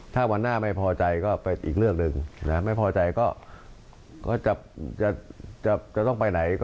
ถ้าวันหน้าไม่พอใจก็ไปอีกเรื่องหนึ่งไม่พอใจก็จะต้องไปไหน